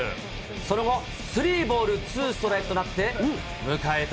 その後、スリーボールツーストライクとなって迎えた